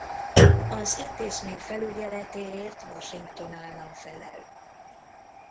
Az intézmény felügyeletéért Washington állam felel.